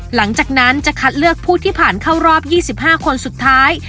หลังจากนั้นจะคัดเลือกผู้ที่ผ่านเข้ารอบ๒๕คนสุดท้าย